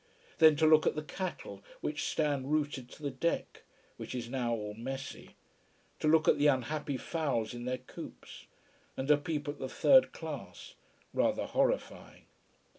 Then to look at the cattle, which stand rooted to the deck which is now all messy. To look at the unhappy fowls in their coops. And a peep at the third class rather horrifying.